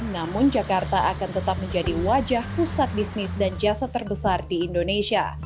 namun jakarta akan tetap menjadi wajah pusat bisnis dan jasa terbesar di indonesia